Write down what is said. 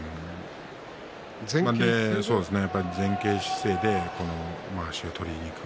やっぱり前傾姿勢でまわしを取りにいく。